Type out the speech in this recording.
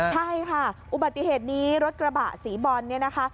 ใช่ค่ะอุบัติเหตุนี้รถกระบะสีบอลเนี่ยนะคะ